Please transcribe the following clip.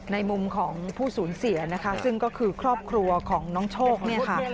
ในมุมของผู้สูญเสียนะคะซึ่งก็คือครอบครัวของน้องโชคเนี่ยค่ะ